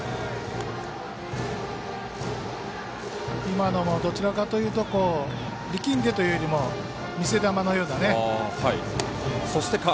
今のもどちらかというと力んでというよりも見せ球のようなね。